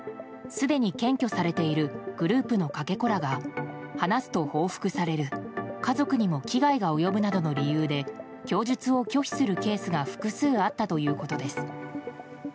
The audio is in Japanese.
すでに検挙されているグループのかけ子らが話すと報復される家族にも危害が及ぶなどの理由で供述を拒否するケースが複数あったということです。